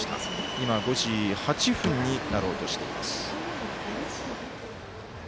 今、５時８分になろうとしています。